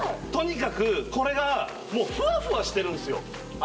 とにかくこれがもうフワフワしてるんすよ